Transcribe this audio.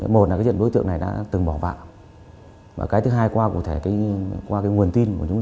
một là diện đối tượng